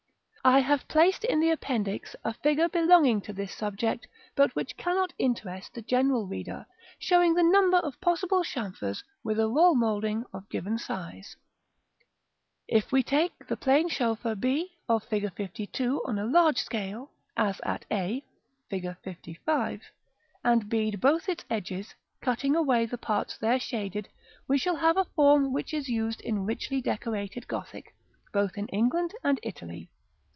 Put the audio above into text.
I have placed in the Appendix a figure belonging to this subject, but which cannot interest the general reader, showing the number of possible chamfers with a roll moulding of given size. § XIII. If we take the plain chamfer, b, of Fig. LII., on a large scale, as at a, Fig. LV., and bead both its edges, cutting away the parts there shaded, we shall have a form much used in richly decorated Gothic, both in England and Italy.